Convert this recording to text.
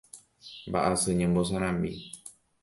Mba'asy ñembosarambi.